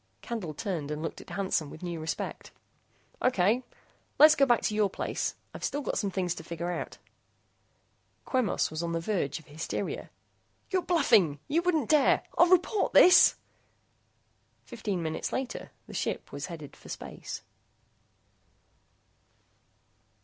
Candle turned and looked at Hansen with new respect. "Okay ... Let's go back to your place. I've still got some things to figure out." Quemos was on the verge of hysteria. "You're bluffing! You wouldn't dare. I'll report this!" Fifteen minutes later, the ship headed for space.